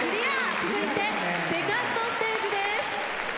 続いてセカンドステージです。